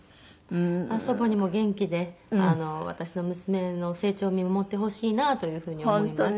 祖母にも元気で私の娘の成長を見守ってほしいなという風に思います。